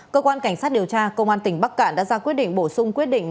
cơ quan cảnh sát điều tra công an tỉnh bắc cạn đã ra quyết định bổ sung quyết định